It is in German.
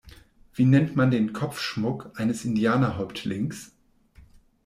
Wie nennt man den Kopfschmuck eines Indianer-Häuptlings?